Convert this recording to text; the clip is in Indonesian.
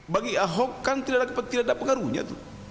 bagi ahok kan tidak ada pengaruhnya tuh